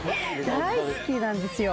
大好きなんですよ。